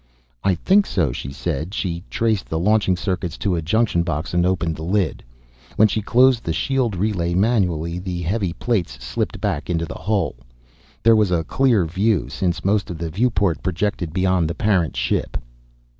"I think so," she said. She traced the launching circuits to a junction box and opened the lid. When she closed the shield relay manually, the heavy plates slipped back into the hull. There was a clear view, since most of the viewport projected beyond the parent ship.